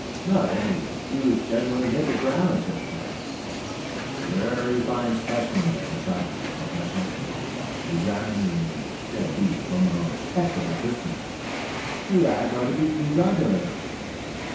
"Not any. He was dead when he got down to us." "Very fine specimen," decided the Professor, examining the dead beast from a respectable distance. "You lads are to be congratulated."